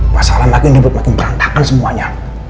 masalah makin ribet makin berantakan semuanya